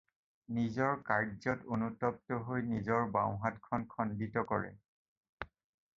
নিজৰ কাৰ্যত অনুতপ্ত হৈ নিজৰ বাওঁহাতখন খণ্ডিত কৰে।